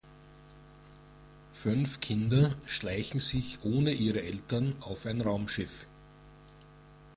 Fünf Kinder schleichen sich ohne ihre Eltern auf ein Raumschiff.